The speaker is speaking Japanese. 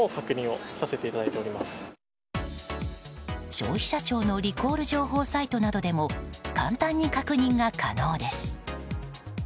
消費者庁のリコール情報サイトなどでも簡単に確認が可能です。